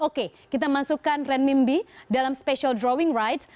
oke kita masukkan renminbi dalam special drawing rights